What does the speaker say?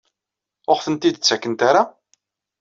Ur aɣ-tent-id-ttakent ara?